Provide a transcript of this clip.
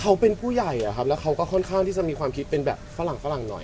เขาเป็นผู้ใหญ่อะครับแล้วเขาก็ค่อนข้างที่จะมีความคิดเป็นแบบฝรั่งฝรั่งหน่อย